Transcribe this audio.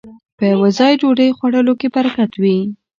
په يوه ځای ډوډۍ خوړلو کې برکت وي